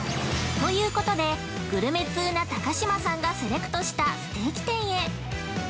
◆ということで、グルメ通な高嶋さんがセレクトしたステーキ店へ。